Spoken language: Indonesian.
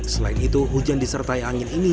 selain itu hujan disertai angin ini